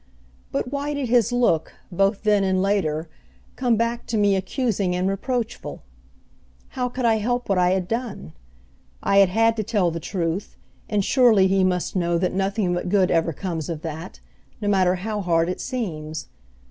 But why did his look, both then and later, come back to me accusing and reproachful? How could I help what I had done? I had had to tell the truth, and surely he must know that nothing but good ever comes of that, no matter how hard it seems.